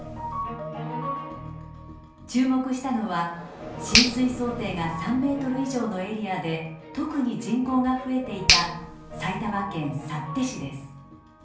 注目したのは浸水想定が３ｍ以上のエリアで特に人口が増えていた埼玉県幸手市です。